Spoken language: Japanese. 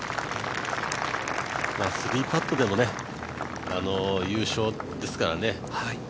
３パットでも優勝ですからね。